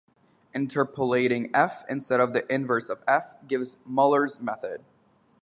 Interpolating "f" instead of the inverse of "f" gives Muller's method.